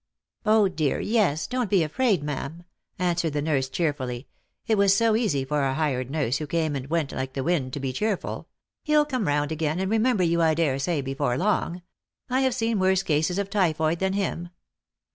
"" dear, yes ; don't be afraid, ma'am," answered the nurse cheerfully ; it was so easy for a hired nurse, who came and went like the wind, to be cheerful ;" he'll come round again, and remember you, I daresay, before long. I have seen worse cases of typhoid than him."